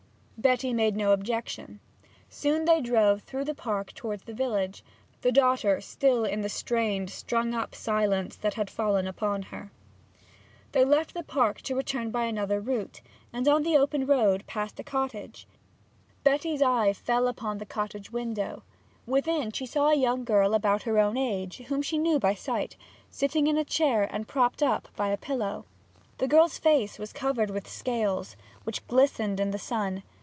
Betty made no objection. Soon they drove through the park towards the village, the daughter still in the strained, strung up silence that had fallen upon her. They left the park to return by another route, and on the open road passed a cottage. Betty's eye fell upon the cottage window. Within it she saw a young girl about her own age, whom she knew by sight, sitting in a chair and propped by a pillow. The girl's face was covered with scales, which glistened in the sun.